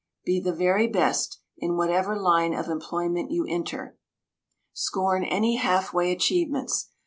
Be the very best, in whatever line of employment you enter. Scorn any half way achievements.